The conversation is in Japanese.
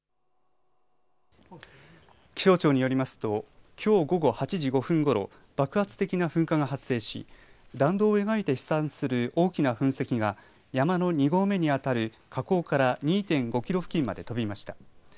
気象庁によりますときょう午後８時５分ごろ、爆発的な噴火が発生し弾道を描いて飛散する大きな噴石が山の２合目にあたる火口から２．５キロ付近まで飛びました。